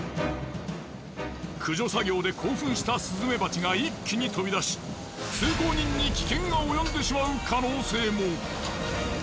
駆除作業で興奮したスズメバチが一気に飛び出し通行人に危険が及んでしまう可能性も。